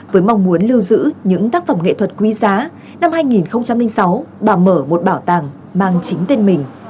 với mong muốn lưu giữ những tác phẩm nghệ thuật quý giá năm hai nghìn sáu bà mở một bảo tàng mang chính tên mình